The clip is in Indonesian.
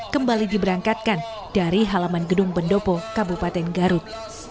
kembali diberangkatkan dari halaman gedung pendopo kabupaten garut